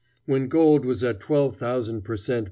When gold was at twelve thousand per cent.